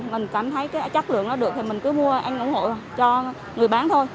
mình cảm thấy cái chất lượng nó được thì mình cứ mua ăn ủng hộ cho người bán thôi